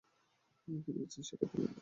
কী দেখেছেন সেটাই বলেন না?